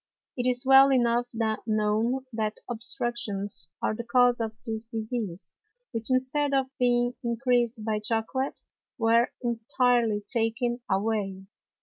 It is well enough known that Obstructions are the Cause of this Disease, which instead of being encreas'd by Chocolate, were entirely taken away.